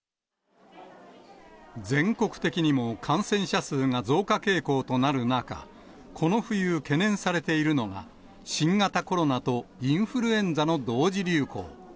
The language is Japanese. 全国的にも感染者数が増加傾向となる中、この冬、懸念されているのが、新型コロナとインフルエンザの同時流行。